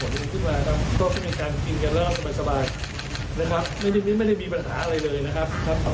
กินกันเริ่มสบายนะครับไม่ได้มีปัญหาอะไรเลยนะครับ